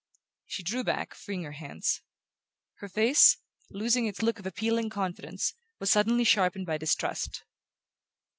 She drew back, freeing her hands. Her face, losing its look of appealing confidence, was suddenly sharpened by distrust.